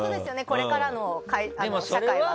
これからの社会は。